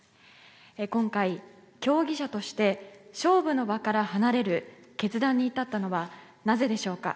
今回、競技者として勝負の場から離れる決断に至ったのは、なぜでしょうか。